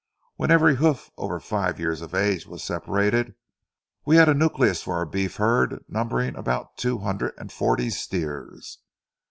When every hoof over five years of age was separated, we had a nucleus for our beef herd numbering about two hundred and forty steers.